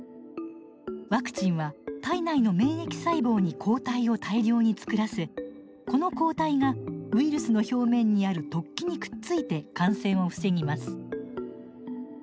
ワクチンは体内の免疫細胞に抗体を大量に作らせこの抗体がウイルスの表面にある突起にくっついて感染を防ぎます。